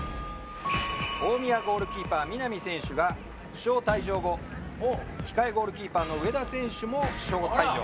大宮ゴールキーパー南選手が負傷退場後控えゴールキーパーの上田選手も負傷退場。